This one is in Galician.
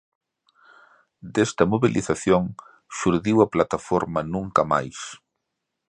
Desta mobilización xurdiu a plataforma Nunca Máis.